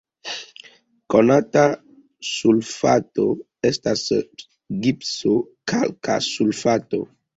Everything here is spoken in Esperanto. Konata sulfato estas gipso, kalka sulfato.